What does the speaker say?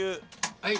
はい。